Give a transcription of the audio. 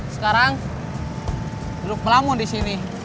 sekarang duduk pelamun di sini